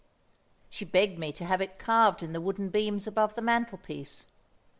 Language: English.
She begged me to have it carved in the wooden beams above the mantelpiece.